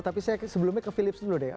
tapi saya sebelumnya ke philips dulu deh